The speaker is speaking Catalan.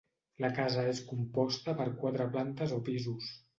La casa és composta per quatre plantes o pisos.